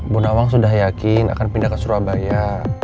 bu nawang sudah yakin akan pindah ke surabaya